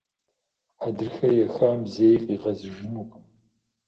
Хьэдрыхэ ехам зэи къигъэзэжынукъым.